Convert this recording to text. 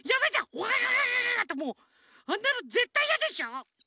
ゴガガガガガガってもうあんなのぜったいやでしょ？